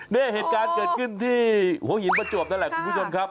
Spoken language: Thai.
เหตุการณ์เกิดขึ้นที่หัวหินประจวบนั่นแหละคุณผู้ชมครับ